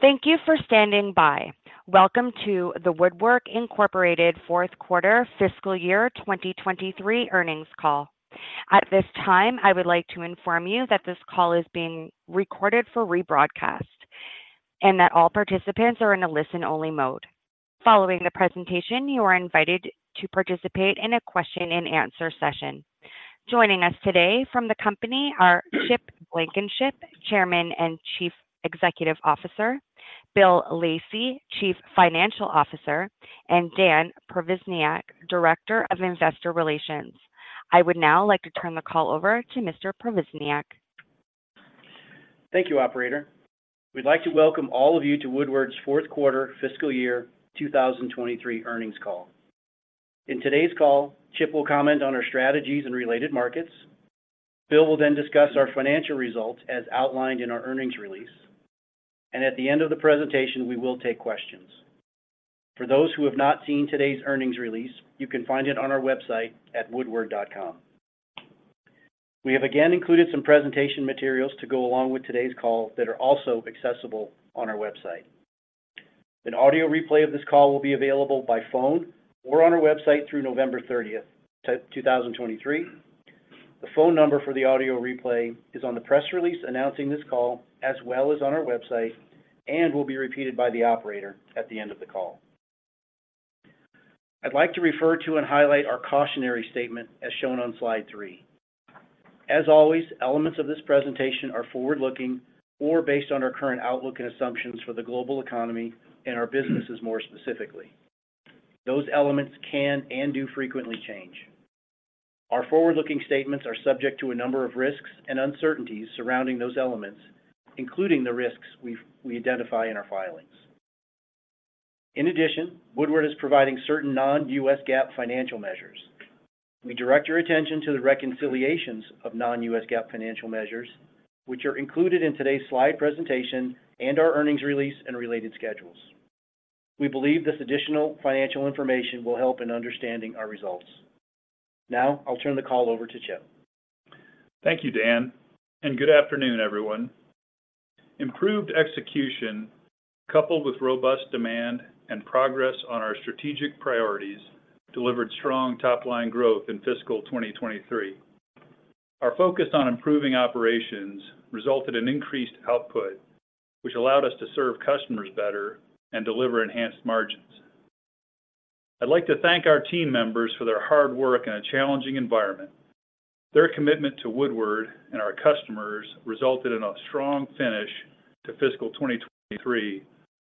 Thank you for standing by. Welcome to the Woodward Incorporated Fourth Quarter Fiscal Year 2023 earnings call. At this time, I would like to inform you that this call is being recorded for rebroadcast and that all participants are in a listen-only mode. Following the presentation, you are invited to participate in a question-and-answer session. Joining us today from the company are Chip Blankenship, Chairman and Chief Executive Officer, Bill Lacey, Chief Financial Officer, and Dan Provaznik, Director of Investor Relations. I would now like to turn the call over to Mr. Provaznik. Thank you, operator. We'd like to welcome all of you to Woodward's fourth quarter fiscal year 2023 earnings call. In today's call, Chip will comment on our strategies and related markets. Bill will then discuss our financial results as outlined in our earnings release. At the end of the presentation, we will take questions. For those who have not seen today's earnings release, you can find it on our website at woodward.com. We have again included some presentation materials to go along with today's call that are also accessible on our website. An audio replay of this call will be available by phone or on our website through November 30, 2023. The phone number for the audio replay is on the press release announcing this call, as well as on our website, and will be repeated by the operator at the end of the call. I'd like to refer to and highlight our cautionary statement as shown on slide three. As always, elements of this presentation are forward-looking or based on our current outlook and assumptions for the global economy and our businesses more specifically. Those elements can and do frequently change. Our forward-looking statements are subject to a number of risks and uncertainties surrounding those elements, including the risks we identify in our filings. In addition, Woodward is providing certain non-U.S. GAAP financial measures. We direct your attention to the reconciliations of non-U.S. GAAP financial measures, which are included in today's slide presentation and our earnings release and related schedules. We believe this additional financial information will help in understanding our results. Now, I'll turn the call over to Chip. Thank you, Dan, and good afternoon, everyone. Improved execution, coupled with robust demand and progress on our strategic priorities, delivered strong top-line growth in fiscal 2023. Our focus on improving operations resulted in increased output, which allowed us to serve customers better and deliver enhanced margins. I'd like to thank our team members for their hard work in a challenging environment. Their commitment to Woodward and our customers resulted in a strong finish to fiscal 2023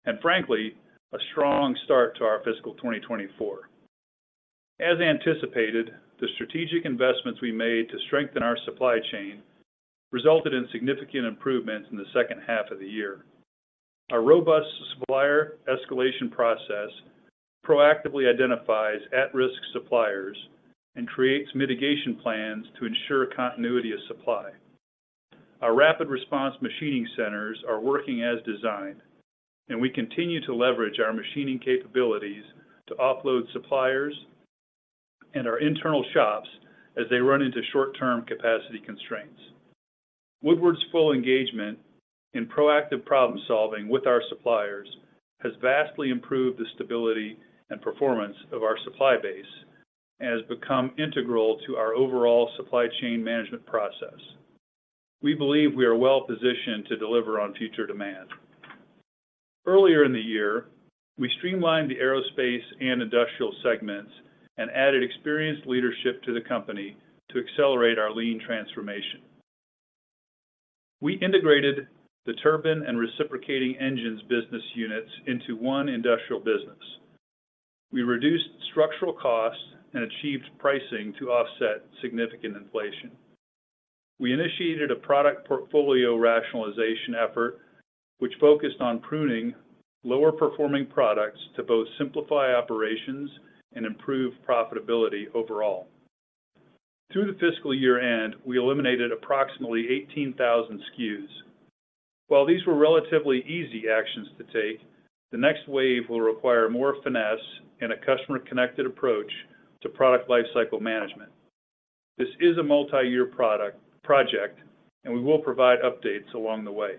and frankly, a strong start to our fiscal 2024. As anticipated, the strategic investments we made to strengthen our supply chain resulted in significant improvements in the second half of the year. Our robust supplier escalation process proactively identifies at-risk suppliers and creates mitigation plans to ensure continuity of supply. Our rapid response machining centers are working as designed, and we continue to leverage our machining capabilities to offload suppliers and our internal shops as they run into short-term capacity constraints. Woodward's full engagement in proactive problem-solving with our suppliers has vastly improved the stability and performance of our supply base and has become integral to our overall supply chain management process. We believe we are well positioned to deliver on future demand. Earlier in the year, we streamlined the aerospace and industrial segments and added experienced leadership to the company to accelerate our lean transformation. We integrated the turbine and reciprocating engines business units into one industrial business. We reduced structural costs and achieved pricing to offset significant inflation. We initiated a product portfolio rationalization effort, which focused on pruning lower-performing products to both simplify operations and improve profitability overall. Through the fiscal year-end, we eliminated approximately 18,000 SKUs. While these were relatively easy actions to take, the next wave will require more finesse and a customer-connected approach to product lifecycle management. This is a multi-year project, and we will provide updates along the way.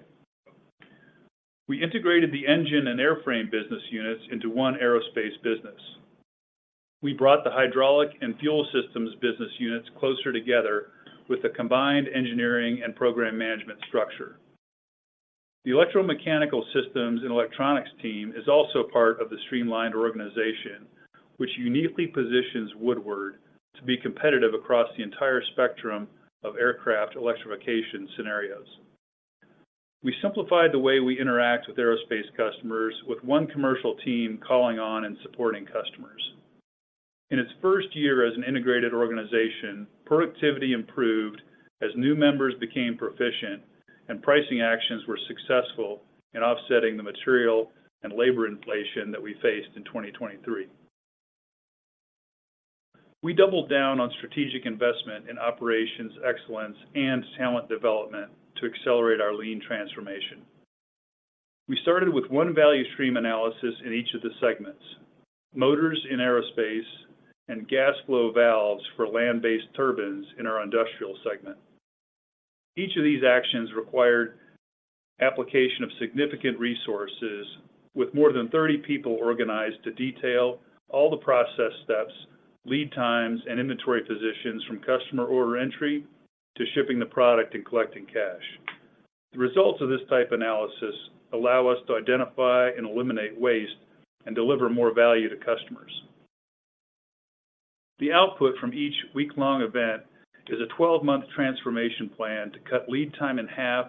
We integrated the engine and airframe business units into one aerospace business. We brought the hydraulic and fuel systems business units closer together with a combined engineering and program management structure. The electromechanical systems and electronics team is also part of the streamlined organization, which uniquely positions Woodward to be competitive across the entire spectrum of aircraft electrification scenarios. We simplified the way we interact with aerospace customers, with one commercial team calling on and supporting customers. In its first year as an integrated organization, productivity improved as new members became proficient and pricing actions were successful in offsetting the material and labor inflation that we faced in 2023. We doubled down on strategic investment in operations excellence and talent development to accelerate our lean transformation. We started with one value stream analysis in each of the segments: motors in aerospace and gas flow valves for land-based turbines in our industrial segment. Each of these actions required application of significant resources, with more than 30 people organized to detail all the process steps, lead times, and inventory positions from customer order entry to shipping the product and collecting cash. The results of this type analysis allow us to identify and eliminate waste and deliver more value to customers. The output from each week-long event is a 12-month transformation plan to cut lead time in half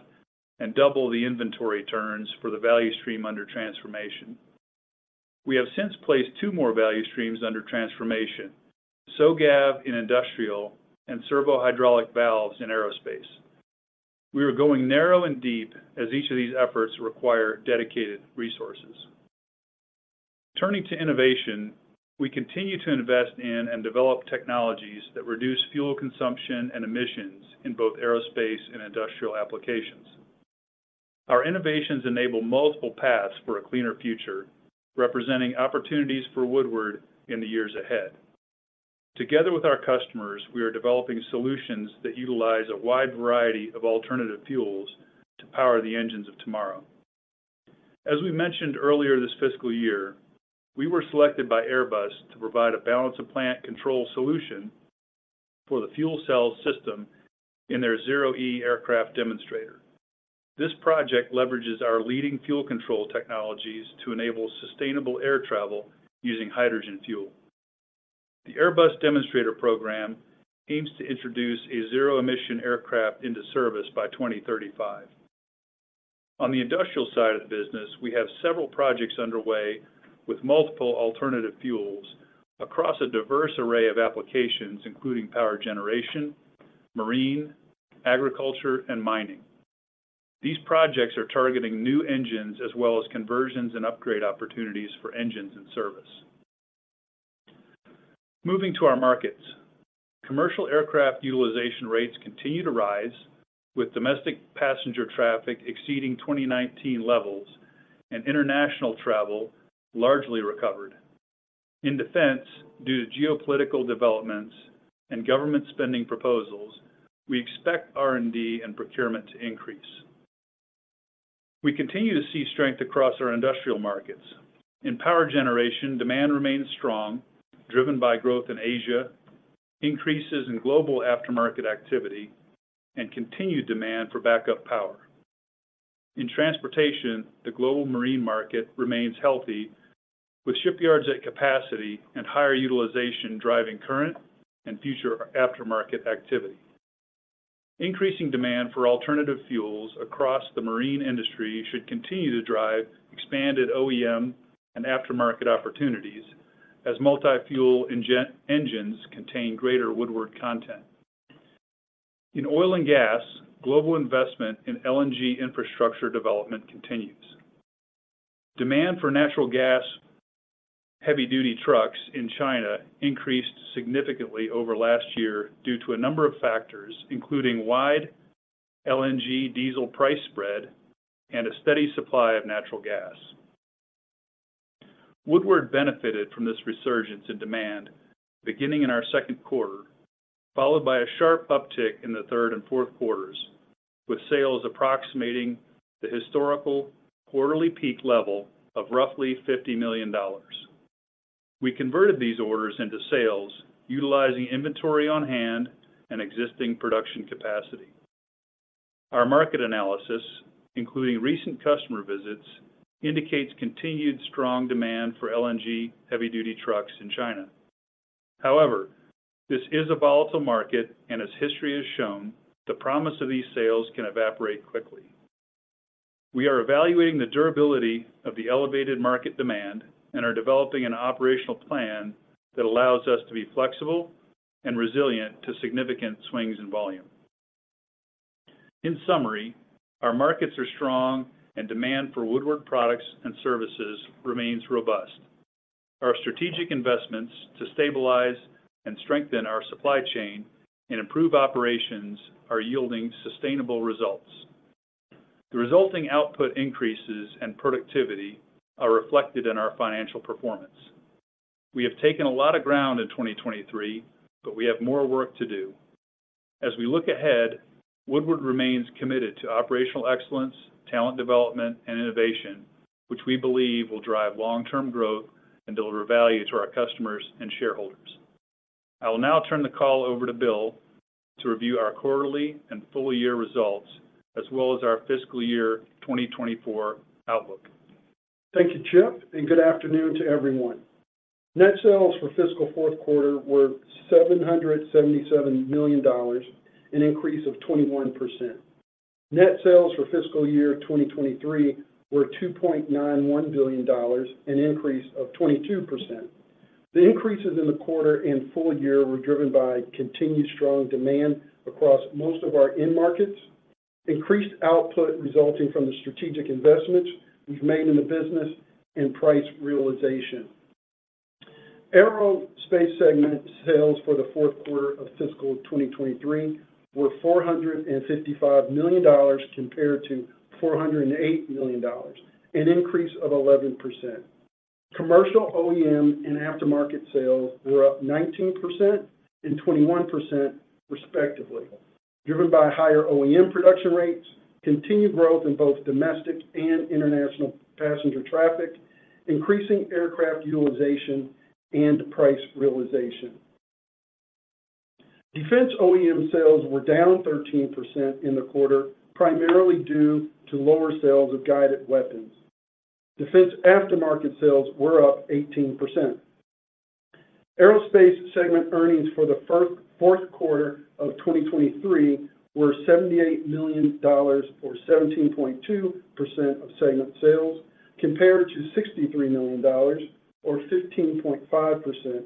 and double the inventory turns for the value stream under transformation. We have since placed 2 more value streams under transformation: SOGAV in industrial and servo-hydraulic valves in aerospace. We are going narrow and deep, as each of these efforts require dedicated resources. Turning to innovation, we continue to invest in and develop technologies that reduce fuel consumption and emissions in both aerospace and industrial applications. Our innovations enable multiple paths for a cleaner future, representing opportunities for Woodward in the years ahead. Together with our customers, we are developing solutions that utilize a wide variety of alternative fuels to power the engines of tomorrow. As we mentioned earlier this fiscal year, we were selected by Airbus to provide a balance of plant control solution for the fuel cell system in their ZEROe aircraft demonstrator. This project leverages our leading fuel control technologies to enable sustainable air travel using hydrogen fuel. The Airbus demonstrator program aims to introduce a zero-emission aircraft into service by 2035. On the industrial side of the business, we have several projects underway with multiple alternative fuels across a diverse array of applications, including power generation, marine, agriculture, and mining. These projects are targeting new engines as well as conversions and upgrade opportunities for engines in service. Moving to our markets, commercial aircraft utilization rates continue to rise, with domestic passenger traffic exceeding 2019 levels and international travel largely recovered. In defense, due to geopolitical developments and government spending proposals, we expect R&D and procurement to increase. We continue to see strength across our industrial markets. In power generation, demand remains strong, driven by growth in Asia, increases in global aftermarket activity, and continued demand for backup power. In transportation, the global marine market remains healthy, with shipyards at capacity and higher utilization driving current and future aftermarket activity. Increasing demand for alternative fuels across the marine industry should continue to drive expanded OEM and aftermarket opportunities as multi-fuel injection engines contain greater Woodward content. In oil and gas, global investment in LNG infrastructure development continues. Demand for natural gas heavy-duty trucks in China increased significantly over last year due to a number of factors, including wide LNG diesel price spread and a steady supply of natural gas. Woodward benefited from this resurgence in demand beginning in our second quarter, followed by a sharp uptick in the third and fourth quarters, with sales approximating the historical quarterly peak level of roughly $50 million. We converted these orders into sales utilizing inventory on hand and existing production capacity. Our market analysis, including recent customer visits, indicates continued strong demand for LNG heavy-duty trucks in China. However, this is a volatile market, and as history has shown, the promise of these sales can evaporate quickly. We are evaluating the durability of the elevated market demand and are developing an operational plan that allows us to be flexible and resilient to significant swings in volume. In summary, our markets are strong and demand for Woodward products and services remains robust. Our strategic investments to stabilize and strengthen our supply chain and improve operations are yielding sustainable results. The resulting output increases and productivity are reflected in our financial performance. We have taken a lot of ground in 2023, but we have more work to do. As we look ahead, Woodward remains committed to operational excellence, talent development, and innovation, which we believe will drive long-term growth and deliver value to our customers and shareholders. I will now turn the call over to Bill to review our quarterly and full-year results, as well as our fiscal year 2024 outlook. Thank you, Chip, and good afternoon to everyone. Net sales for fiscal fourth quarter were $777 million, an increase of 21%. Net sales for fiscal year 2023 were $2.91 billion, an increase of 22%. The increases in the quarter and full year were driven by continued strong demand across most of our end markets, increased output resulting from the strategic investments we've made in the business, and price realization. Aerospace segment sales for the fourth quarter of fiscal 2023 were $455 million compared to $408 million, an increase of 11%. Commercial OEM and aftermarket sales were up 19% and 21% respectively, driven by higher OEM production rates, continued growth in both domestic and international passenger traffic, increasing aircraft utilization, and price realization. Defense OEM sales were down 13% in the quarter, primarily due to lower sales of guided weapons. Defense aftermarket sales were up 18%. Aerospace segment earnings for the fourth quarter of 2023 were $78 million, or 17.2% of segment sales, compared to $63 million or 15.5%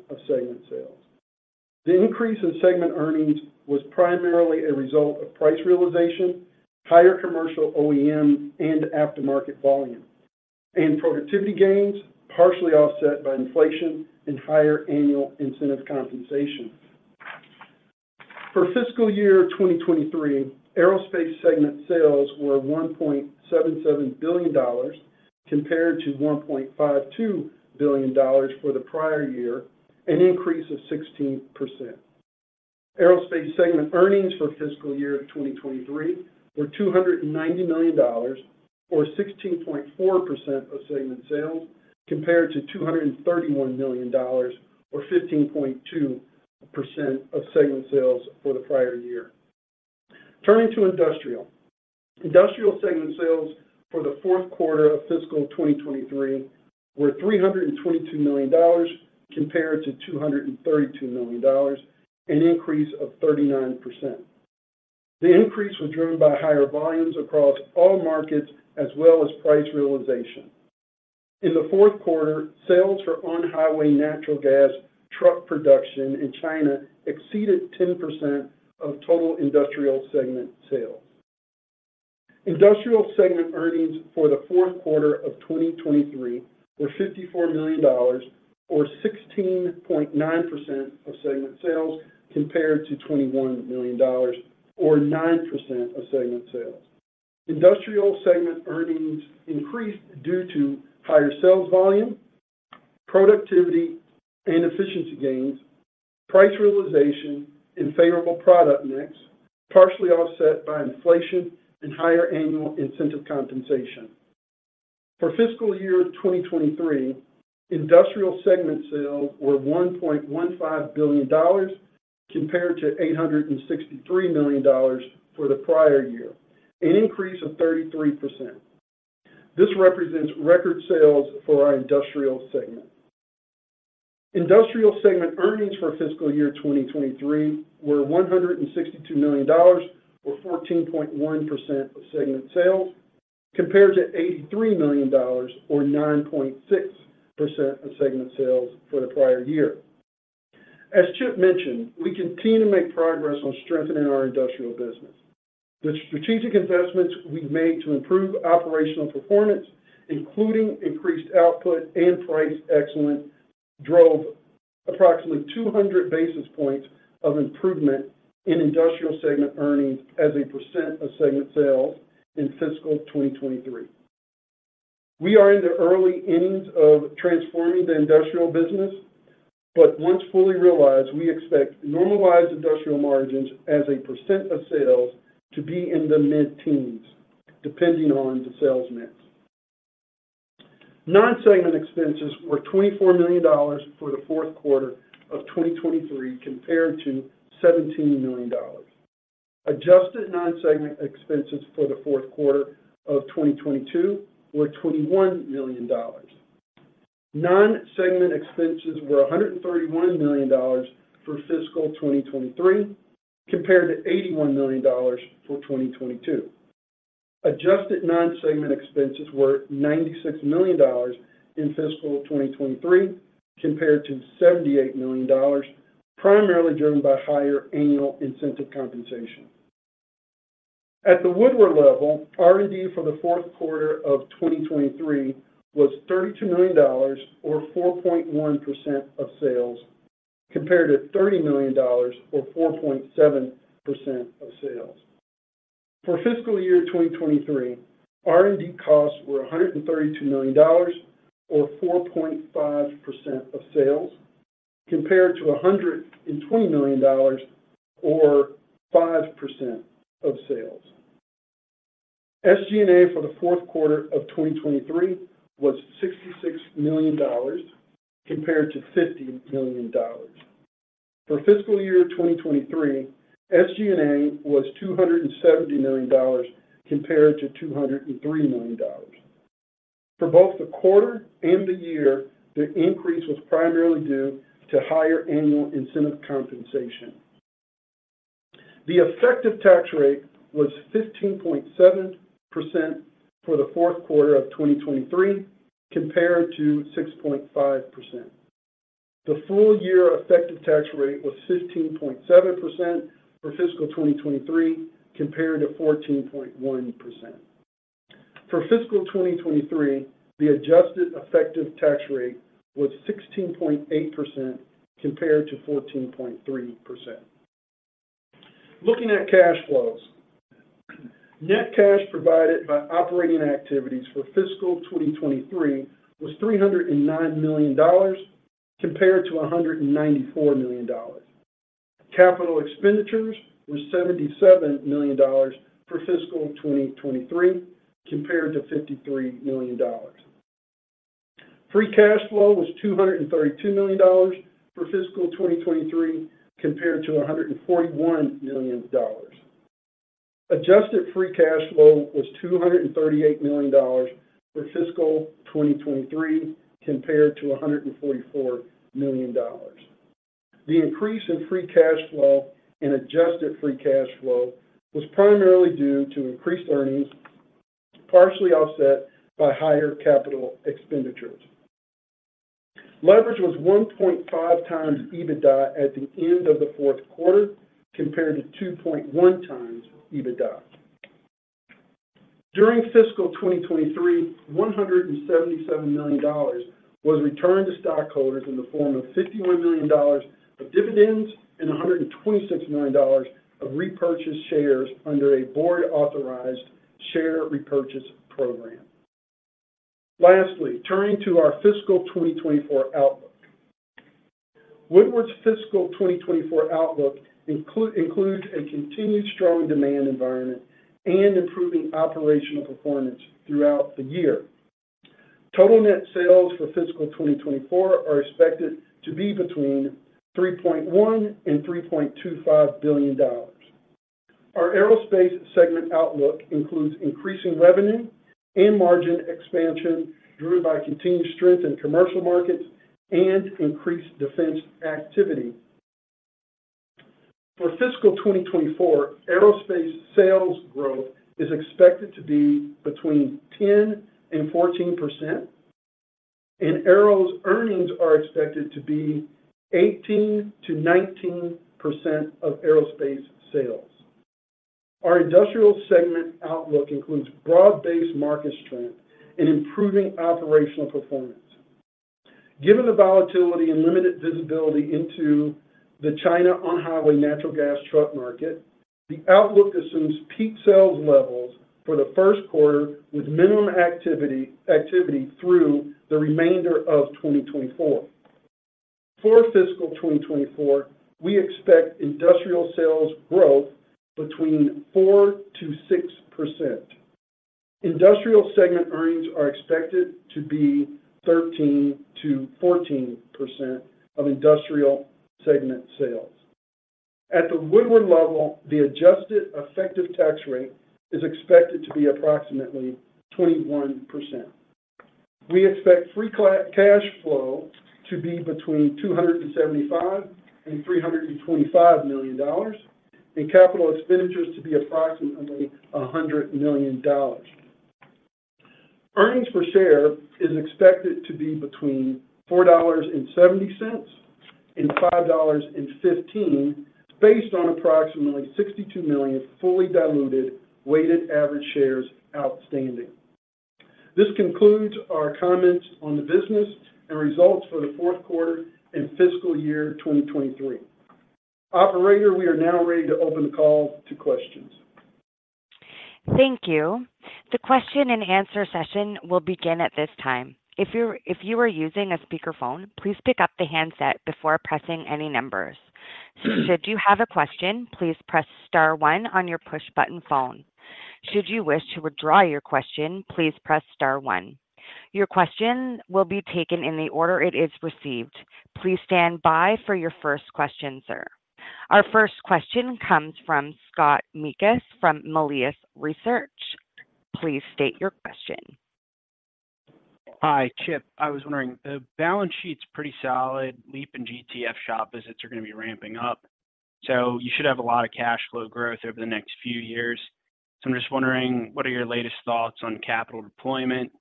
of segment sales. The increase in segment earnings was primarily a result of price realization, higher commercial OEM and aftermarket volume, and productivity gains, partially offset by inflation and higher annual incentive compensation. For fiscal year 2023, aerospace segment sales were $1.77 billion, compared to $1.52 billion for the prior year, an increase of 16%. Aerospace segment earnings for fiscal year 2023 were $290 million, or 16.4% of segment sales, compared to $231 million or 15.2% of segment sales for the prior year. Turning to industrial. Industrial segment sales for the fourth quarter of fiscal 2023 were $322 million compared to $232 million, an increase of 39%. The increase was driven by higher volumes across all markets, as well as price realization. In the fourth quarter, sales for on-highway natural gas truck production in China exceeded 10% of total industrial segment sales. Industrial segment earnings for the fourth quarter of 2023 were $54 million, or 16.9% of segment sales, compared to $21 million or 9% of segment sales. Industrial segment earnings increased due to higher sales volume, productivity and efficiency gains, price realization, and favorable product mix, partially offset by inflation and higher annual incentive compensation. For fiscal year 2023, industrial segment sales were $1.15 billion, compared to $863 million for the prior year, an increase of 33%. This represents record sales for our industrial segment. Industrial segment earnings for fiscal year 2023 were $162 million, or 14.1% of segment sales, compared to $83 million or 9.6% of segment sales for the prior year. As Chip mentioned, we continue to make progress on strengthening our industrial business. The strategic investments we've made to improve operational performance, including increased output and price excellence, drove approximately 200 basis points of improvement in industrial segment earnings as a percent of segment sales in fiscal 2023. We are in the early innings of transforming the industrial business, but once fully realized, we expect normalized industrial margins as a percent of sales to be in the mid-teens, depending on the sales mix. Non-segment expenses were $24 million for the fourth quarter of 2023, compared to $17 million. Adjusted non-segment expenses for the fourth quarter of 2022 were $21 million. Non-segment expenses were $131 million for fiscal 2023, compared to $81 million for 2022. Adjusted non-segment expenses were $96 million in fiscal 2023, compared to $78 million, primarily driven by higher annual incentive compensation. At the Woodward level, R&D for the fourth quarter of 2023 was $32 million, or 4.1% of sales, compared to $30 million or 4.7% of sales. For fiscal year 2023, R&D costs were $132 million or 4.5% of sales, compared to $120 million or 5% of sales. SG&A for the fourth quarter of 2023 was $66 million, compared to $50 million. For fiscal year 2023, SG&A was $270 million compared to $203 million. For both the quarter and the year, the increase was primarily due to higher annual incentive compensation. The effective tax rate was 15.7% for the fourth quarter of 2023, compared to 6.5%. The full-year effective tax rate was 15.7% for fiscal 2023, compared to 14.1%. For fiscal 2023, the adjusted effective tax rate was 16.8% compared to 14.3%. Looking at cash flows. Net cash provided by operating activities for fiscal 2023 was $309 million, compared to $194 million. Capital expenditures were $77 million for fiscal 2023, compared to $53 million. Free cash flow was $232 million for fiscal 2023, compared to $141 million. Adjusted free cash flow was $238 million for fiscal 2023, compared to $144 million. The increase in free cash flow and adjusted free cash flow was primarily due to increased earnings, partially offset by higher capital expenditures. Leverage was 1.5 times EBITDA at the end of the fourth quarter, compared to 2.1 times EBITDA. During fiscal 2023, $177 million was returned to stockholders in the form of $51 million of dividends and $126 million of repurchased shares under a board-authorized share repurchase program. Lastly, turning to our fiscal 2024 outlook. Woodward's fiscal 2024 outlook includes a continued strong demand environment and improving operational performance throughout the year. Total net sales for fiscal 2024 are expected to be between $3.1 billion and $3.25 billion. Our aerospace segment outlook includes increasing revenue and margin expansion, driven by continued strength in commercial markets and increased defense activity. For fiscal 2024, aerospace sales growth is expected to be between 10% and 14%, and Aero's earnings are expected to be 18%-19% of aerospace sales. Our industrial segment outlook includes broad-based market strength and improving operational performance. Given the volatility and limited visibility into the China on-highway natural gas truck market, the outlook assumes peak sales levels for the first quarter, with minimum activity through the remainder of 2024. For fiscal 2024, we expect industrial sales growth between 4% and 6%. Industrial segment earnings are expected to be 13%-14% of industrial segment sales. At the Woodward level, the adjusted effective tax rate is expected to be approximately 21%. We expect free cash flow to be between $275 million and $325 million, and capital expenditures to be approximately $100 million. Earnings per share is expected to be between $4.70 and $5.15, based on approximately 62 million fully diluted weighted average shares outstanding. This concludes our comments on the business and results for the fourth quarter and fiscal year 2023. Operator, we are now ready to open the call to questions. Thank you. The question and answer session will begin at this time. If you are using a speakerphone, please pick up the handset before pressing any numbers. Should you have a question, please press star one on your push-button phone. Should you wish to withdraw your question, please press star one. Your question will be taken in the order it is received. Please stand by for your first question, sir. Our first question comes from Scott Mikus from Melius Research. Please state your question. Hi, Chip. I was wondering, the balance sheet's pretty solid, LEAP and GTF shop visits are going to be ramping up, so you should have a lot of cash flow growth over the next few years. So I'm just wondering, what are your latest thoughts on capital deployment?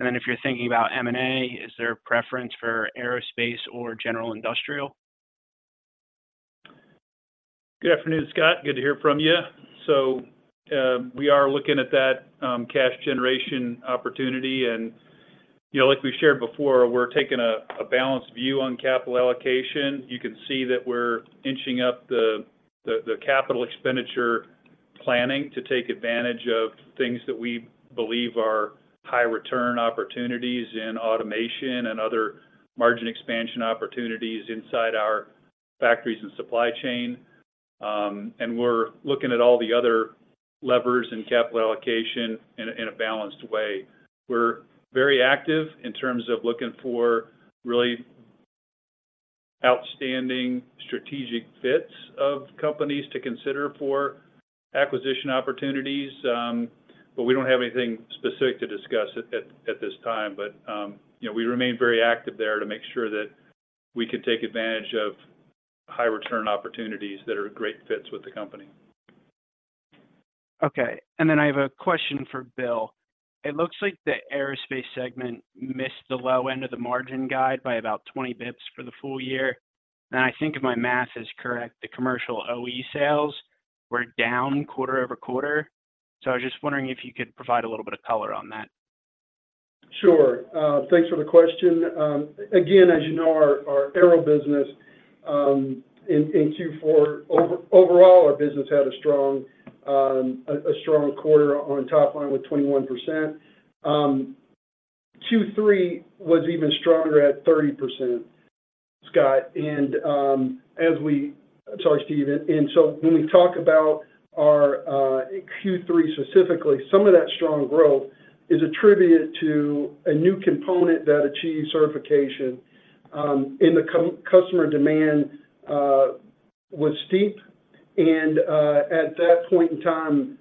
And then, if you're thinking about M&A, is there a preference for aerospace or general industrial? Good afternoon, Scott. Good to hear from you. So, we are looking at that cash generation opportunity. And, you know, like we shared before, we're taking a balanced view on capital allocation. You can see that we're inching up the capital expenditure planning to take advantage of things that we believe are high-return opportunities in automation and other margin expansion opportunities inside our factories and supply chain. And we're looking at all the other levers and capital allocation in a balanced way. We're very active in terms of looking for really outstanding strategic fits of companies to consider for acquisition opportunities, but we don't have anything specific to discuss at this time. But, you know, we remain very active there to make sure that we can take advantage of high-return opportunities that are great fits with the company. Okay, and then I have a question for Bill. It looks like the aerospace segment missed the low end of the margin guide by about 20 basis points for the full year. And I think if my math is correct, the commercial OE sales were down quarter-over-quarter. So I was just wondering if you could provide a little bit of color on that. Sure. Thanks for the question. Again, as you know, our aero business in Q4, overall, our business had a strong quarter on top line with 21%. Q3 was even stronger at 30%, Scott. And, as we, sorry, Steve. And so when we talk about our Q3 specifically, some of that strong growth is attributed to a new component that achieved certification, and the customer demand was steep. And at that point in time,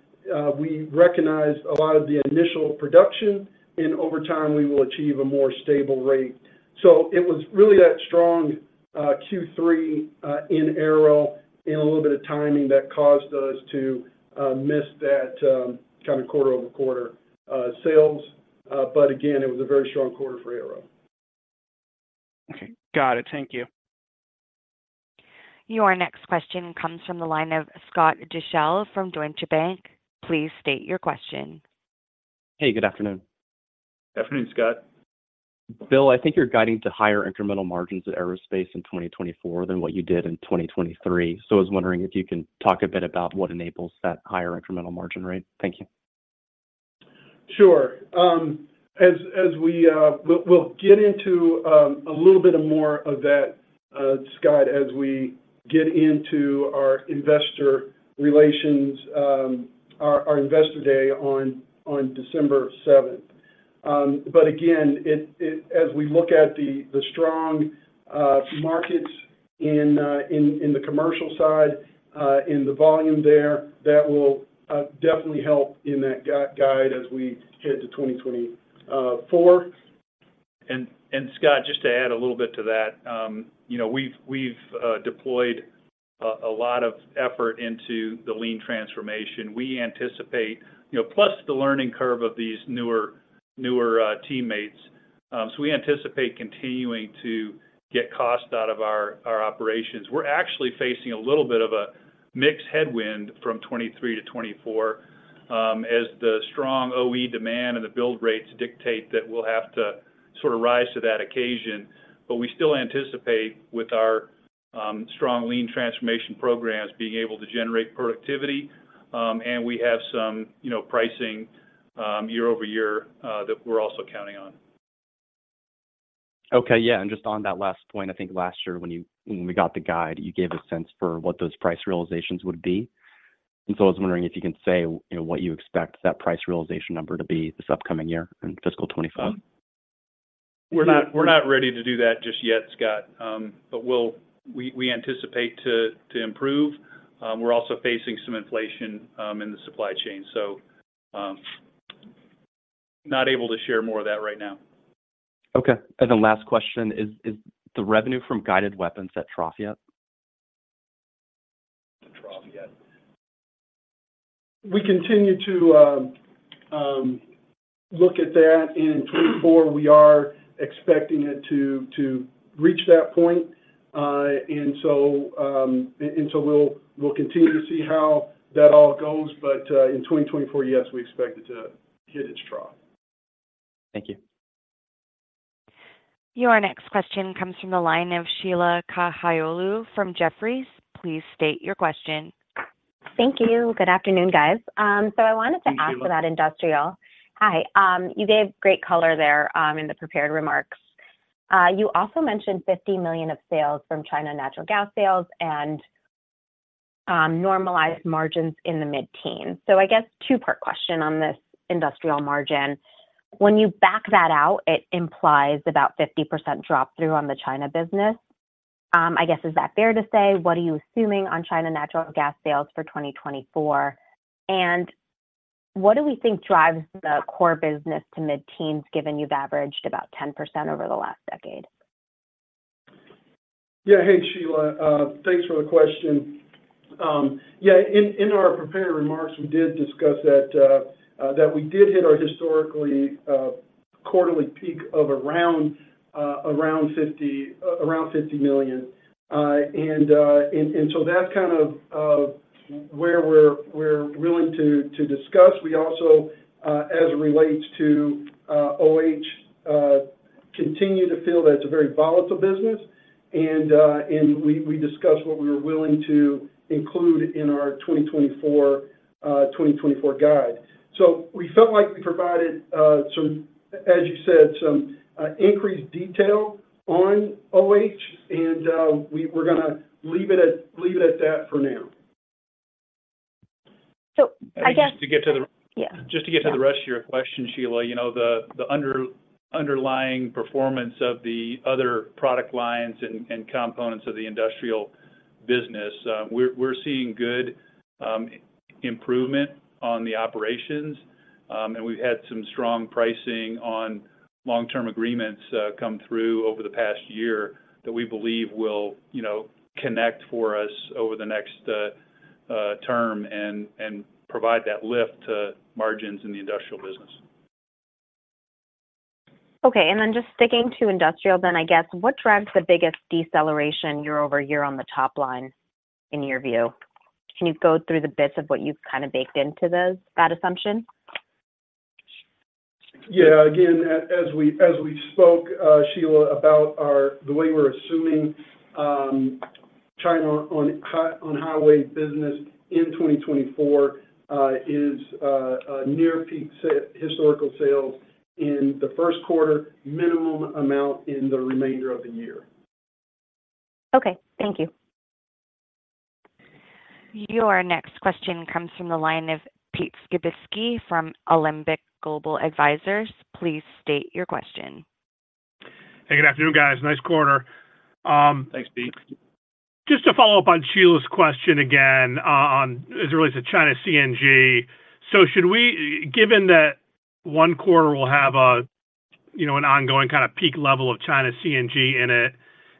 we recognized a lot of the initial production, and over time, we will achieve a more stable rate. So it was really that strong Q3 in aero and a little bit of timing that caused us to miss that kind of quarter-over-quarter sales. But again, it was a very strong quarter for aero. Okay. Got it. Thank you. Your next question comes from the line of Scott Deuschle from Deutsche Bank. Please state your question. Hey, good afternoon. Afternoon, Scott. Bill, I think you're guiding to higher incremental margins at Aerospace in 2024 than what you did in 2023. So I was wondering if you can talk a bit about what enables that higher incremental margin rate. Thank you. Sure. As we get into a little bit more of that, Scott, as we get into our investor relations, our Investor Day on December seventh. But again, it as we look at the strong markets in the commercial side, and the volume there, that will definitely help in that guide as we head to 2024. Scott, just to add a little bit to that, you know, we've deployed a lot of effort into the Lean transformation. We anticipate... You know, plus the learning curve of these newer teammates. So we anticipate continuing to get cost out of our operations. We're actually facing a little bit of a mixed headwind from 2023 to 2024, as the strong OE demand and the build rates dictate that we'll have to sort of rise to that occasion. But we still anticipate, with our strong Lean transformation programs, being able to generate productivity, and we have some, you know, pricing year-over-year that we're also counting on. Okay. Yeah, and just on that last point, I think last year, when you- when we got the guide, you gave a sense for what those price realizations would be. And so I was wondering if you can say, you know, what you expect that price realization number to be this upcoming year in fiscal 2025? We're not, we're not ready to do that just yet, Scott. But we'll anticipate to improve. We're also facing some inflation in the supply chain, so not able to share more of that right now. Okay. And then last question, is the revenue from Guided Weapons at trough yet? At trough yet? We continue to look at that. In 2024, we are expecting it to reach that point. And so we'll continue to see how that all goes, but in 2024, yes, we expect it to hit its trough. Thank you. Your next question comes from the line of Sheila Kahyaoglu from Jefferies. Please state your question. Thank you. Good afternoon, guys. So I wanted to- Hey, Sheila. -ask about industrial. Hi. You gave great color there, in the prepared remarks. You also mentioned $50 million of sales from China natural gas sales and normalized margins in the mid-teens. So I guess two-part question on this industrial margin. When you back that out, it implies about 50% drop-through on the China business. I guess, is that fair to say? What are you assuming on China natural gas sales for 2024? And what do we think drives the core business to mid-teens, given you've averaged about 10% over the last decade? Yeah. Hey, Sheila. Thanks for the question. Yeah, in our prepared remarks, we did discuss that we did hit our historically quarterly peak of around $50 million. And so that's kind of where we're willing to discuss. We also, as it relates to OEM, continue to feel that it's a very volatile business, and we discussed what we were willing to include in our 2024 guide. So we felt like we provided some, as you said, some increased detail on OEM, and we're gonna leave it at that for now. So I guess- Just to get to the... Yeah. Just to get to the rest of your question, Sheila, you know, the underlying performance of the other product lines and components of the industrial business, we're seeing good improvement on the operations. And we've had some strong pricing on long-term agreements come through over the past year that we believe will, you know, connect for us over the next term and provide that lift to margins in the industrial business. Okay. Then just sticking to industrial, I guess, what drives the biggest deceleration year-over-year on the top line, in your view? Can you go through the bits of what you've kind of baked into those, that assumption? Yeah, again, as we, as we spoke, Sheila, about the way we're assuming China on highway business in 2024 is a near-peak historical sales in the first quarter, minimum amount in the remainder of the year. Okay, thank you. Your next question comes from the line of Pete Skibitski from Alembic Global Advisors. Please state your question. Hey, good afternoon, guys. Nice quarter. Thanks, Pete. Just to follow up on Sheila's question again, on as it relates to China CNG. So should we, given that one quarter will have a, you know, an ongoing kind of peak level of China CNG in it,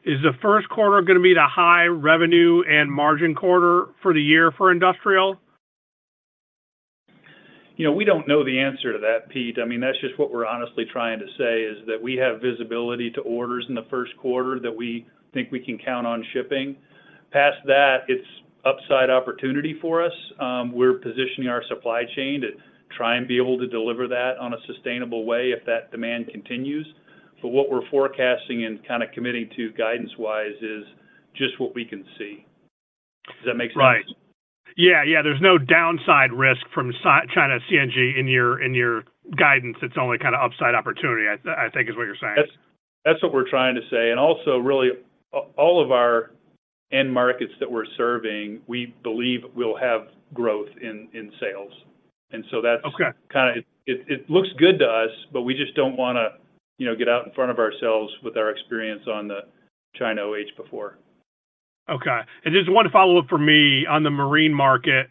is the first quarter gonna be the high revenue and margin quarter for the year for industrial? You know, we don't know the answer to that, Pete. I mean, that's just what we're honestly trying to say, is that we have visibility to orders in the first quarter that we think we can count on shipping. Past that, it's upside opportunity for us. We're positioning our supply chain to try and be able to deliver that on a sustainable way if that demand continues. But what we're forecasting and kind of committing to guidance-wise is just what we can see. Does that make sense? Right. Yeah, yeah, there's no downside risk from China CNG in your guidance. It's only kind of upside opportunity, I think is what you're saying. That's, that's what we're trying to say. And also, really, all of our end markets that we're serving, we believe will have growth in sales. And so that's- Okay... kind of, it looks good to us, but we just don't want to, you know, get out in front of ourselves with our experience on the China OH before. Okay. And just one follow-up from me on the marine market.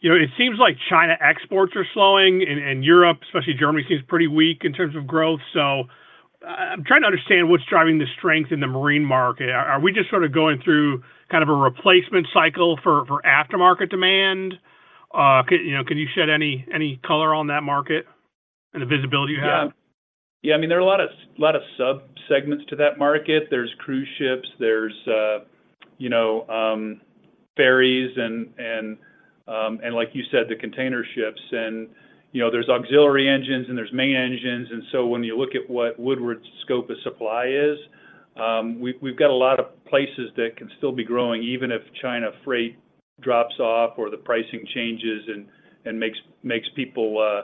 You know, it seems like China exports are slowing, and Europe, especially Germany, seems pretty weak in terms of growth. So, I'm trying to understand what's driving the strength in the marine market. Are we just sort of going through kind of a replacement cycle for aftermarket demand? You know, can you shed any color on that market and the visibility you have? Yeah. Yeah, I mean, there are a lot of subsegments to that market. There's cruise ships, there's, you know, ferries, and like you said, the container ships. And, you know, there's auxiliary engines, and there's main engines. And so when you look at what Woodward's scope of supply is, we've got a lot of places that can still be growing, even if China freight drops off or the pricing changes and makes people,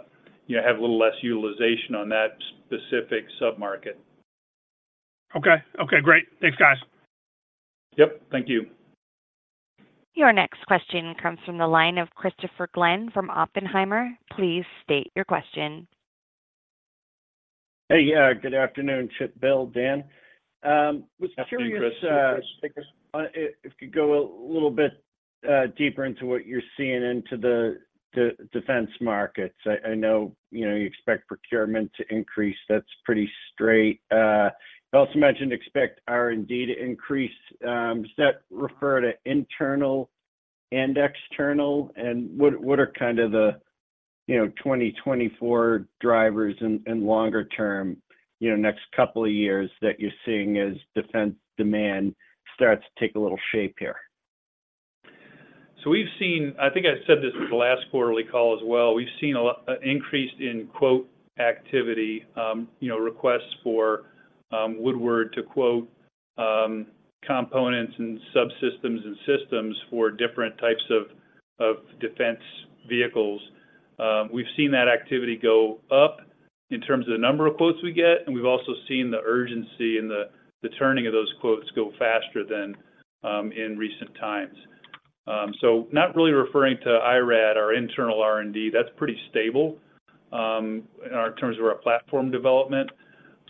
you know, have a little less utilization on that specific submarket. Okay, okay, great. Thanks, guys. Yep, thank you. Your next question comes from the line of Christopher Glynn from Oppenheimer. Please state your question. Hey, yeah, good afternoon, Chip, Bill, Dan. Was curious, Hey, Chris. If you go a little bit deeper into what you're seeing in the defense markets. I know, you know, you expect procurement to increase. That's pretty straight. You also mentioned expect R&D to increase. Does that refer to internal and external? And what are kind of the, you know, 2024 drivers and longer term, you know, next couple of years that you're seeing as defense demand starts to take a little shape here? So we've seen... I think I said this at the last quarterly call as well. We've seen a lot, an increase in quote activity, you know, requests for, Woodward to quote, components and subsystems and systems for different types of defense vehicles. We've seen that activity go up in terms of the number of quotes we get, and we've also seen the urgency and the turning of those quotes go faster than in recent times. So not really referring to IRAD, our internal R&D, that's pretty stable, in our terms of our platform development.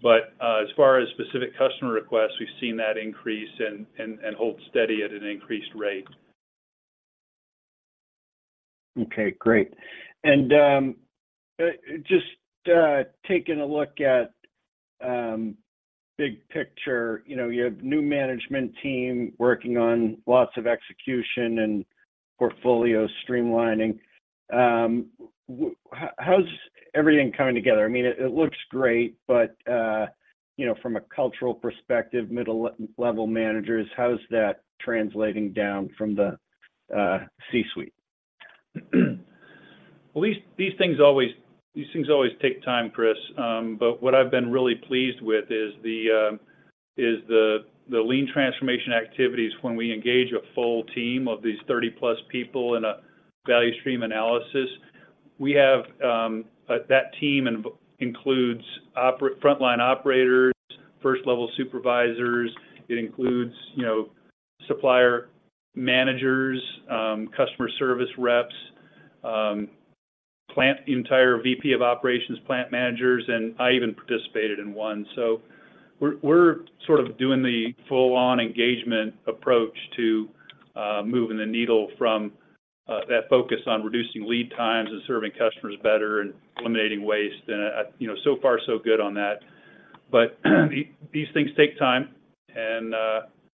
But, as far as specific customer requests, we've seen that increase and hold steady at an increased rate. Okay, great. And just taking a look at big picture, you know, you have new management team working on lots of execution and portfolio streamlining. How's everything coming together? I mean, it looks great, but you know, from a cultural perspective, middle-level managers, how is that translating down from the C-suite? Well, these things always take time, Chris. But what I've been really pleased with is the Lean Transformation activities when we engage a full team of these 30-plus people in a Value Stream Analysis. We have a team that includes frontline operators, first-level supervisors. It includes, you know, supplier managers, customer service reps, the entire VP of operations, plant managers, and I even participated in one. So we're sort of doing the full-on engagement approach to moving the needle from that focus on reducing lead times and serving customers better and eliminating waste. And you know, so far, so good on that. But these things take time, and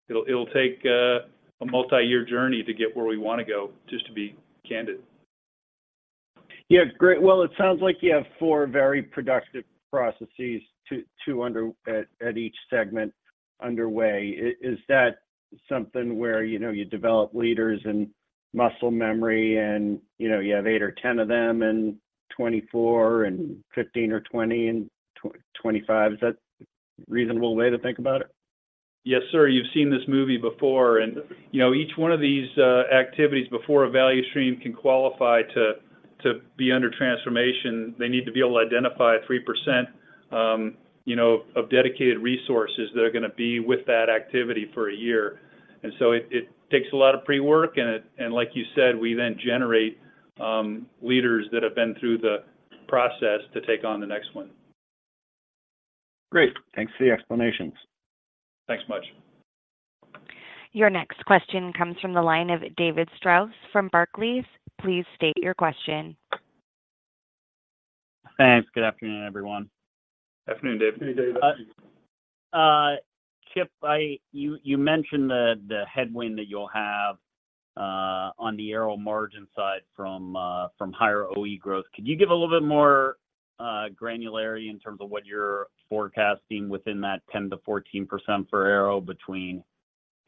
it'll take a multiyear journey to get where we want to go, just to be candid.... Yeah, great. Well, it sounds like you have four very productive processes to undertake at each segment underway. Is that something where, you know, you develop leaders and muscle memory, and, you know, you have eight or 10 of them, and 24, and 15 or 20, and 25? Is that reasonable way to think about it? Yes, sir. You've seen this movie before, and, you know, each one of these activities, before a value stream can qualify to be under transformation, they need to be able to identify 3%, you know, of dedicated resources that are gonna be with that activity for a year. And so it takes a lot of pre-work, and it—and like you said, we then generate leaders that have been through the process to take on the next one. Great. Thanks for the explanations. Thanks much. Your next question comes from the line of David Strauss from Barclays. Please state your question. Thanks. Good afternoon, everyone. Afternoon, David. Good afternoon, David. Chip, you mentioned the headwind that you'll have on the Aero margin side from higher OE growth. Could you give a little bit more granularity in terms of what you're forecasting within that 10%-14% for Aero between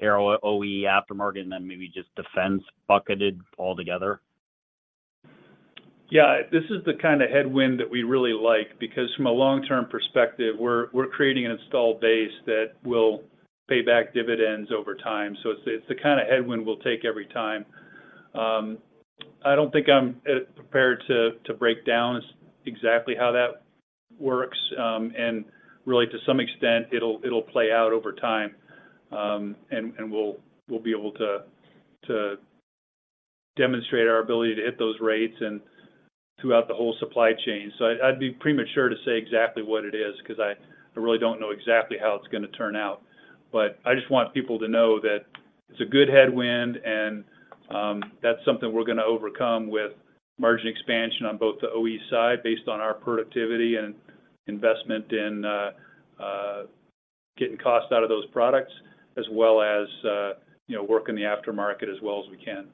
Aero OE aftermarket, and then maybe just defense bucketed all together? Yeah, this is the kind of headwind that we really like, because from a long-term perspective, we're, we're creating an installed base that will pay back dividends over time. So it's, it's the kind of headwind we'll take every time. I don't think I'm prepared to, to break down exactly how that works, and really, to some extent, it'll, it'll play out over time. And we'll, we'll be able to, to demonstrate our ability to hit those rates and throughout the whole supply chain. So I'd, I'd be premature to say exactly what it is, 'cause I, I really don't know exactly how it's gonna turn out. I just want people to know that it's a good headwind, and that's something we're gonna overcome with margin expansion on both the OE side, based on our productivity and investment in getting cost out of those products, as well as you know, working the aftermarket as well as we can.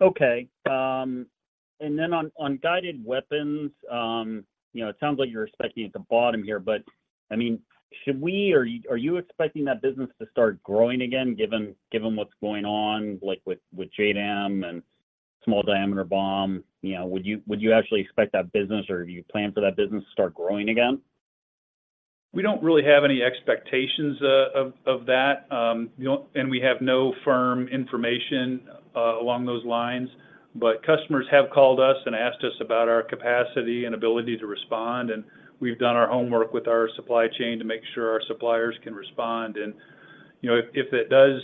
Okay. And then on guided weapons, you know, it sounds like you're expecting at the bottom here, but, I mean, should we or are you expecting that business to start growing again, given what's going on, like with JDAM and Small Diameter Bomb? You know, would you actually expect that business, or do you plan for that business to start growing again? We don't really have any expectations of that. We have no firm information along those lines. But customers have called us and asked us about our capacity and ability to respond, and we've done our homework with our supply chain to make sure our suppliers can respond. And, you know, if it does,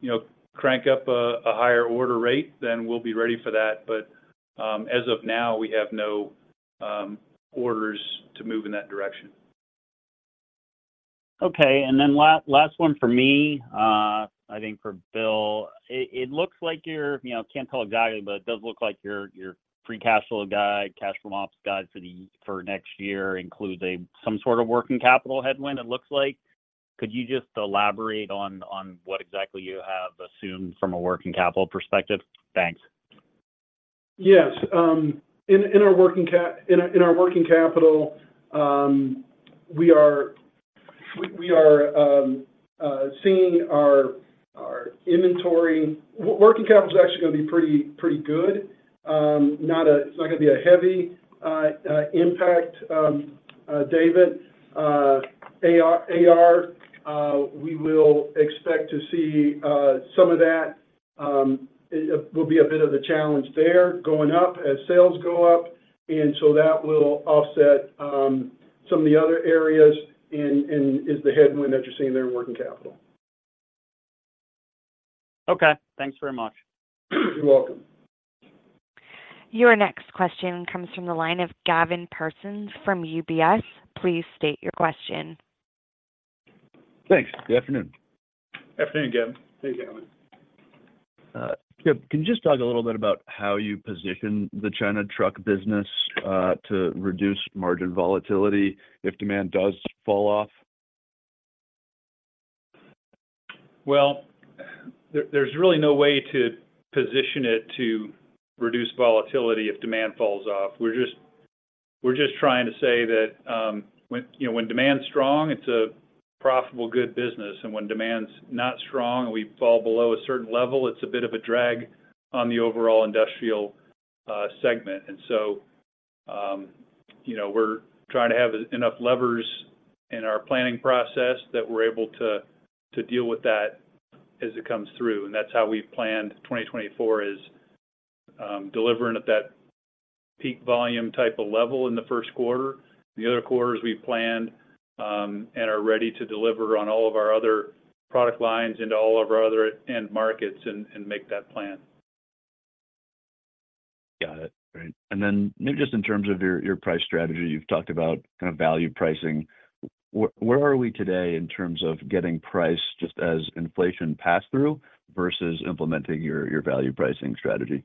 you know, crank up a higher order rate, then we'll be ready for that. But, as of now, we have no orders to move in that direction. Okay, and then last one for me, I think for Bill. It looks like you're... You know, can't tell exactly, but it does look like your free cash flow guide, cash flow ops guide for next year includes some sort of working capital headwind, it looks like. Could you just elaborate on what exactly you have assumed from a working capital perspective? Thanks. Yes. In our working capital, we are seeing our inventory. Working capital is actually gonna be pretty good. It's not gonna be a heavy impact, David. AR, we will expect to see some of that. It will be a bit of a challenge there, going up as sales go up, and so that will offset some of the other areas and is the headwind that you're seeing there in working capital. Okay. Thanks very much. You're welcome. Your next question comes from the line of Gavin Parsons from UBS. Please state your question. Thanks. Good afternoon. Afternoon, Gavin. Hey, Gavin. Chip, can you just talk a little bit about how you position the China truck business to reduce margin volatility if demand does fall off? Well, there's really no way to position it to reduce volatility if demand falls off. We're just, we're just trying to say that, when, you know, when demand's strong, it's a profitable, good business, and when demand's not strong, and we fall below a certain level, it's a bit of a drag on the overall industrial segment. And so, you know, we're trying to have enough levers in our planning process that we're able to, to deal with that as it comes through, and that's how we've planned 2024 is, delivering at that peak volume type of level in the first quarter. The other quarters, we've planned, and are ready to deliver on all of our other product lines into all of our other end markets and, and make that plan. Got it. Great. And then maybe just in terms of your price strategy, you've talked about kind of value pricing. Where are we today in terms of getting price just as inflation pass-through versus implementing your value pricing strategy?...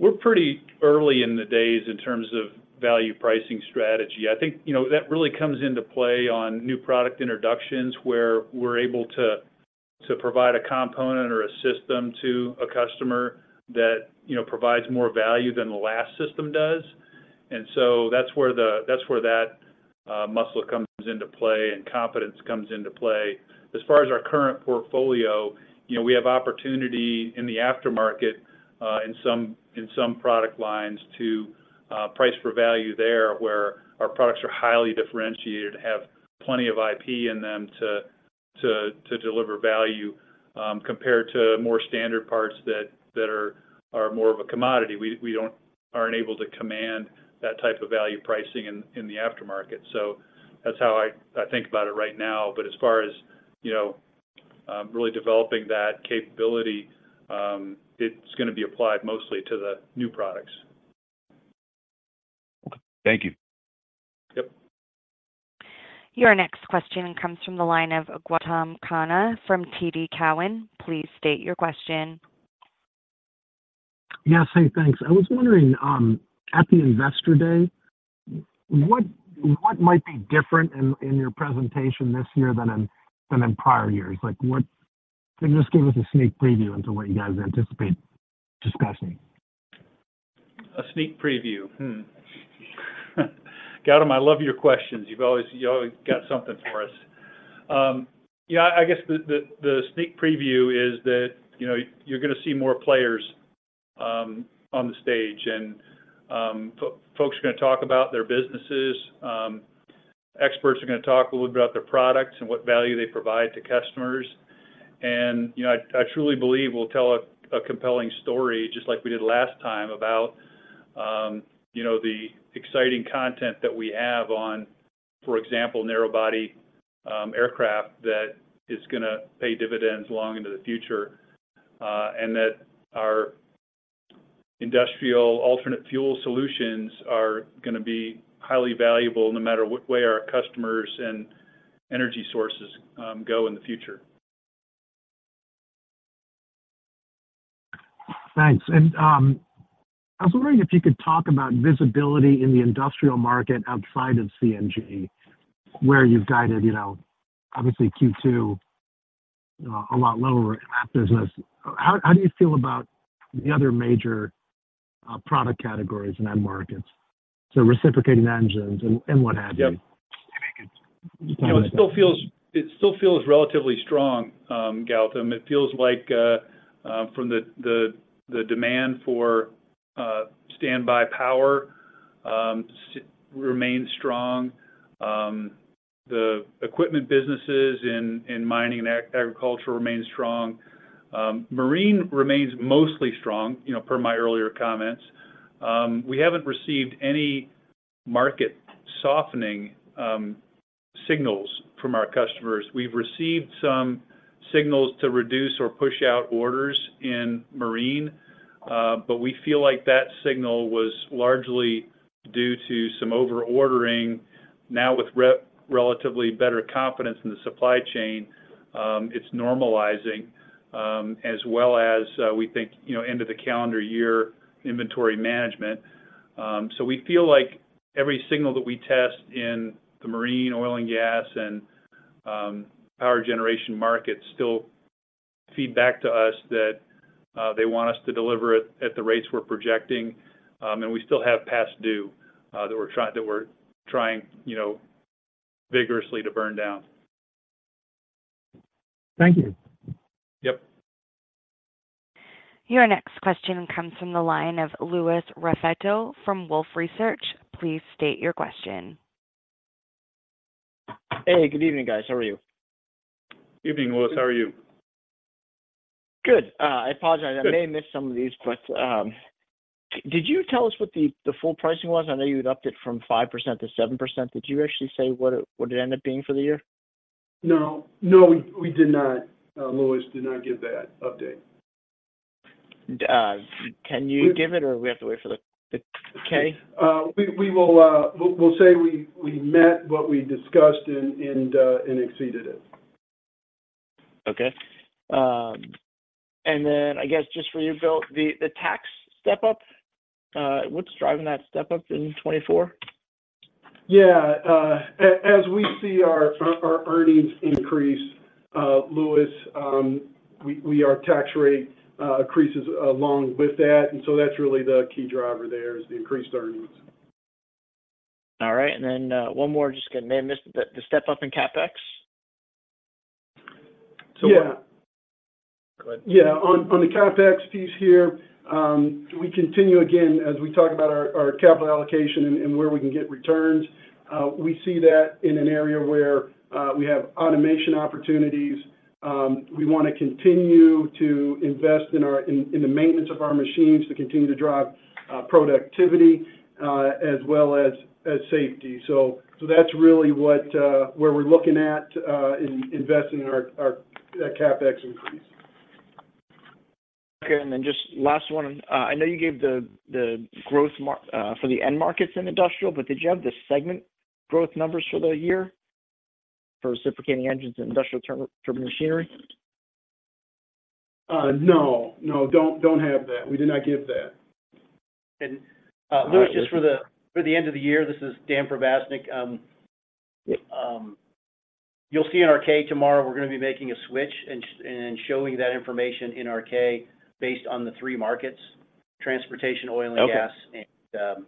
We're pretty early in the days in terms of value pricing strategy. I think, you know, that really comes into play on new product introductions, where we're able to provide a component or a system to a customer that, you know, provides more value than the last system does. And so that's where that muscle comes into play, and confidence comes into play. As far as our current portfolio, you know, we have opportunity in the aftermarket in some product lines to price for value there, where our products are highly differentiated, have plenty of IP in them to deliver value compared to more standard parts that are more of a commodity. We aren't able to command that type of value pricing in the aftermarket. That's how I think about it right now. But as far as, you know, really developing that capability, it's gonna be applied mostly to the new products. Thank you. Yep. Your next question comes from the line of Gautam Khanna from TD Cowen. Please state your question. Yes. Hey, thanks. I was wondering at the Investor Day, what might be different in your presentation this year than in prior years? Like, what... Just give us a sneak preview into what you guys anticipate discussing. A sneak preview. Gautam, I love your questions. You've always got something for us. Yeah, I guess the sneak preview is that, you know, you're gonna see more players on the stage, and folks are gonna talk about their businesses. Experts are gonna talk a little bit about their products and what value they provide to customers. And, you know, I truly believe we'll tell a compelling story, just like we did last time, about, you know, the exciting content that we have on, for example, narrow body aircraft, that is gonna pay dividends long into the future. And that our industrial alternate fuel solutions are gonna be highly valuable, no matter what way our customers and energy sources go in the future. Thanks. And, I was wondering if you could talk about visibility in the industrial market outside of CNG, where you've guided, you know, obviously Q2, a lot lower in that business. How do you feel about the other major product categories in end markets, so reciprocating engines and what have you? Yep. I think it's- You know, it still feels, it still feels relatively strong, Gautam. It feels like from the demand for standby power remains strong. The equipment businesses in mining and agriculture remain strong. Marine remains mostly strong, you know, per my earlier comments. We haven't received any market softening signals from our customers. We've received some signals to reduce or push out orders in marine, but we feel like that signal was largely due to some over ordering. Now, with relatively better confidence in the supply chain, it's normalizing, as well as we think, you know, end of the calendar year inventory management. So we feel like every signal that we test in the marine, oil and gas, and power generation markets still feed back to us that they want us to deliver it at the rates we're projecting. And we still have past due that we're trying, you know, vigorously to burn down. Thank you. Yep. Your next question comes from the line of Louis Raffetto from Wolfe Research. Please state your question. Hey, good evening, guys. How are you? Evening, Louis. How are you? Good. I apologize- Good. I may have missed some of these, but did you tell us what the full pricing was? I know you had upped it from 5%-7%. Did you actually say what it ended up being for the year? No. No, we, we did not, Louis, did not give that update. Can you give it, or we have to wait for the K? We'll say we met what we discussed and exceeded it. Okay. And then I guess, just for you, Bill, the tax step up, what's driving that step up in 2024? Yeah, as we see our earnings increase, Louis, our tax rate increases along with that, and so that's really the key driver there is the increased earnings. All right. And then, one more, just again, I may have missed the step up in CapEx. Yeah. Go ahead. Yeah, on the CapEx piece here, we continue, again, as we talk about our capital allocation and where we can get returns. We see that in an area where we have automation opportunities. We wanna continue to invest in the maintenance of our machines to continue to drive productivity, as well as safety. So that's really where we're looking at in investing in our CapEx increase. Okay, and then just last one. I know you gave the growth for the end markets in industrial, but did you have the segment growth numbers for the year? For reciprocating engines and industrial turbomachinery? No. No, don't, don't have that. We did not give that. Lewis, just for the end of the year, this is Dan Provaznik. You'll see in our K tomorrow, we're gonna be making a switch and showing that information in our K based on the three markets: transportation, oil and gas- Okay. and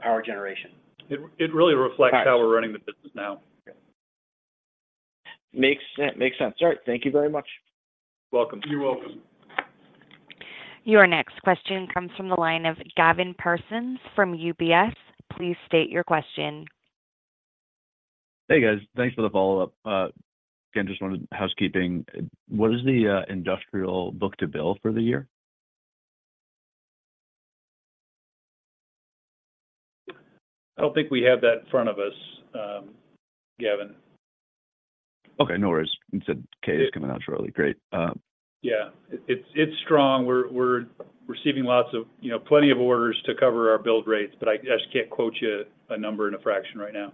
power generation. It really reflects- Right... how we're running the business now. Okay. Makes sense. All right. Thank you very much. Welcome. You're welcome. Your next question comes from the line of Gavin Parsons from UBS. Please state your question. Hey, guys. Thanks for the follow-up. Again, just wanted housekeeping. What is the industrial book-to-bill for the year? I don't think we have that in front of us, Gavin. Okay, no worries. You said K is coming out shortly. Great. Yeah, it's strong. We're receiving lots of, you know, plenty of orders to cover our build rates, but I just can't quote you a number and a fraction right now.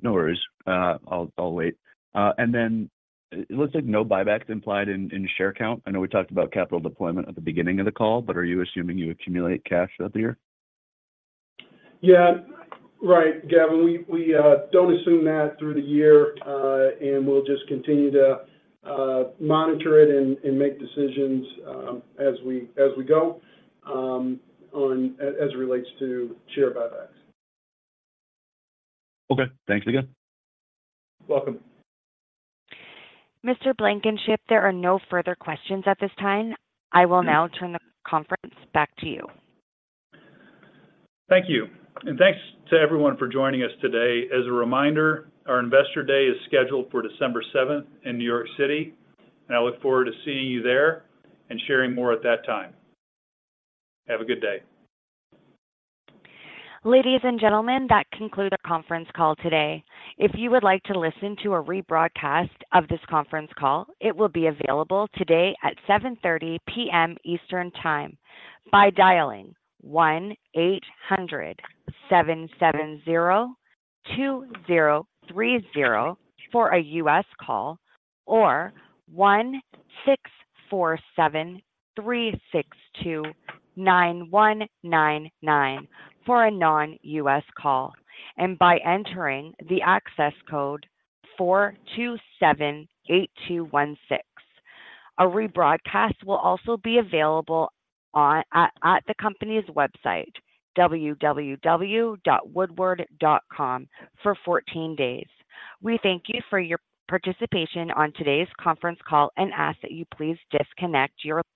No worries. I'll wait. And then it looks like no buybacks implied in share count. I know we talked about capital deployment at the beginning of the call, but are you assuming you accumulate cash throughout the year? Yeah. Right, Gavin, we don't assume that through the year, and we'll just continue to monitor it and make decisions as we go on, as it relates to share buybacks. Okay. Thanks again. Welcome. Mr. Blankenship, there are no further questions at this time. I will now turn the conference back to you. Thank you, and thanks to everyone for joining us today. As a reminder, our Investor Day is scheduled for December seventh in New York City, and I look forward to seeing you there and sharing more at that time. Have a good day. Ladies and gentlemen, that concludes our conference call today. If you would like to listen to a rebroadcast of this conference call, it will be available today at 7:30 P.M. Eastern Time by dialing 1-800-770-2030 for a US call, or 1-647-362-9199 for a non-US call, and by entering the access code 4278216. A rebroadcast will also be available at the company's website, www.woodward.com, for 14 days. We thank you for your participation on today's conference call and ask that you please disconnect your line.